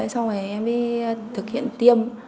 xong rồi em mới thực hiện tiêm